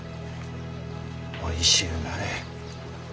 おいしゅうなれ。